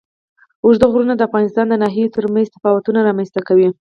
اوږده غرونه د افغانستان د ناحیو ترمنځ تفاوتونه رامنځ ته کوي.